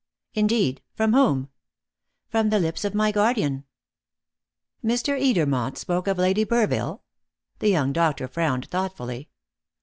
"Indeed! From whom?" "From the lips of my guardian." "Mr. Edermont spoke of Lady Burville?" The young doctor frowned thoughtfully.